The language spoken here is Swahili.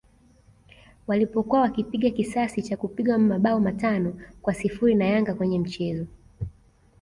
walipokuwa wakipiga kisasi cha kupigwa mabao matano kwa sifuri na Yanga kwenye mchezo